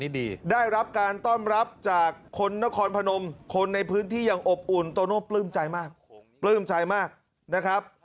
ได้รับการต้อนรับจากคนนครพนมคนในพื้นที่อย่างอบอุ่นโตโน่ปลื้มใจมากปลื้มใจมากนะครับ